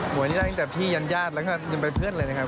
วยนี่ได้ตั้งแต่พี่ยันญาติแล้วก็ยันไปเพื่อนเลยนะครับ